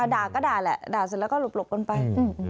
ด่าก็ด่าแหละด่าเสร็จแล้วก็หลบกันไป